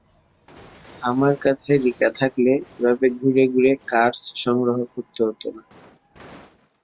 আমার কাছে রিকা থাকলে, এভাবে ঘুরে ঘুরে কার্স সংগ্রহ করতে হতো না।